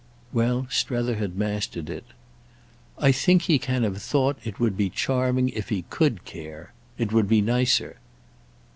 Well, Strether had mastered it. "I think he can have thought it would be charming if he could care. It would be nicer."